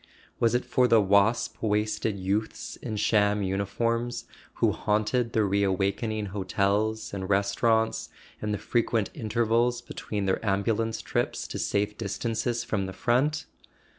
Was it for the wasp waisted youths in sham uniforms who haunted the reawakening hotels and restaurants, in the frequent intervals between their ambulance trips to safe dis¬ tances from the front?